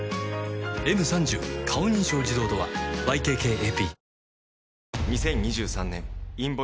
「Ｍ３０ 顔認証自動ドア」ＹＫＫＡＰ